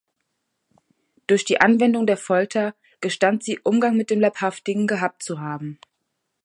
Durch die Anwendung der Folter gestand sie Umgang mit dem Leibhaftigen gehabt zu haben.